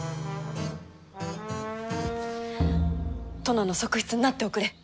殿の側室になっておくれ。